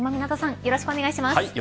はい、よろしくお願いまします。